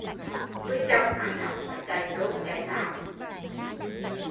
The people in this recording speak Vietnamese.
Nuôi chồng ăn học phải chạy đôn chạy đáo